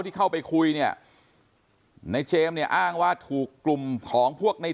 ที่เข้าไปคุยเนี่ยในเจมส์เนี่ยอ้างว่าถูกกลุ่มของพวกใน